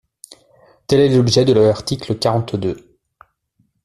Tel est l’objet de l’article quarante-deux.